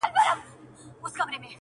درته ښېرا كومه.